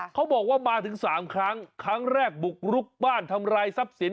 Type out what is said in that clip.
เขาบอกว่ามาถึง๓ครั้งครั้งแรกบุกรุกบ้านทำลายทรัพย์สิน